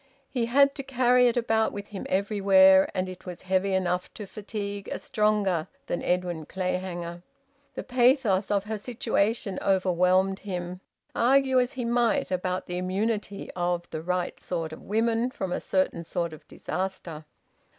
He had to carry it about with him everywhere, and it was heavy enough to fatigue a stronger than Edwin Clayhanger. The pathos of her situation overwhelmed him, argue as he might about the immunity of `the right sort of women' from a certain sort of disaster.